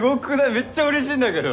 めっちゃうれしいんだけど。